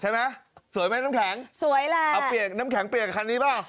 สวยไหมน้ำแข็งสวยล่ะเอาเปียกน้ำแข็งเปียกคันนี้เปล่า